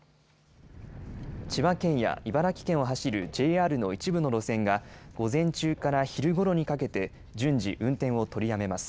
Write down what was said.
千葉県や茨城県を走るＪＲの一部の路線が、午前中から昼ごろにかけて順次運転を取りやめます。